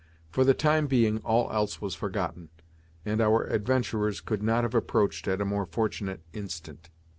For the time being all else was forgotten, and our adventurers could not have approached at a more fortunate instant.